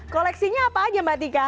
koleksinya apa aja mbak tika